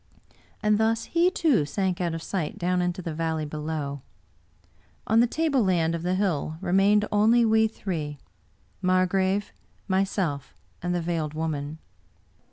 And thus he, too, sank out of sight down into the valley below. On the table land of the hill remained only we three — Margrave, myself, and the Veiled Woman.